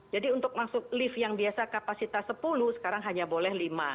jadi untuk masuk lift yang biasa kapasitas sepuluh sekarang hanya boleh lima